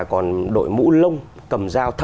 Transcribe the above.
còn đội mũ lông cầm dao